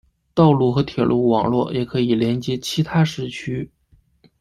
道路和铁路网络也可以连接其他市区。